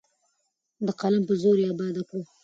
د قلم په زور یې اباده کړو.